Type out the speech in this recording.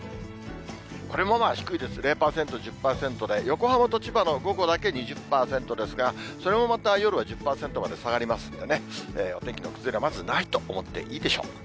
これもまあ低いです、０％、１０％で、横浜と千葉の午後だけ２０％ですが、それもまた夜は１０％まで下がりますんでね、お天気の崩れはまずないと思っていいでしょう。